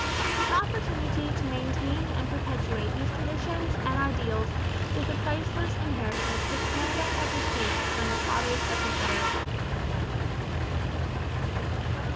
The opportunity to maintain and perpetuate these traditions and ideals is the priceless inheritance which Canada has received from the Fathers of Confederation.